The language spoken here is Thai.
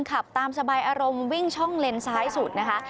ขับตามสบายอารมณ์วิ่งช่องเลนซ้ายสุดนะคะ